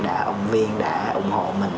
đã ủng viên đã ủng hộ mình